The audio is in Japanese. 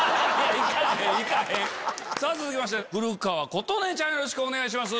続きまして古川琴音ちゃんよろしくお願いします。